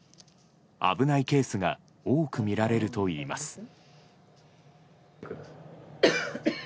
危ないケースが多く見られるといいます。